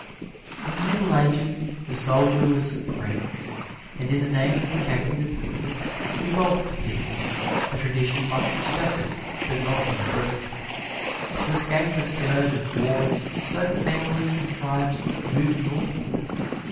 In the Middle Ages the soldier was supreme, and in the name of protecting the people he robbed the people, a tradition much respected, but not in the breach. To escape the scourge of war, certain families and tribes moved northward.